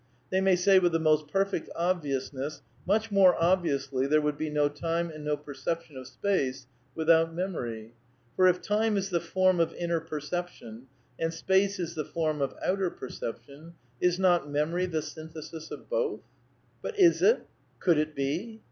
They may say, with the most perfect obviousness : Much more obviously there would be no time and no perception of space without memory. For, if time is the form of inner perception, and space is the form of outer perception, is not memory the syn thesis of both ? But is it? Could it be?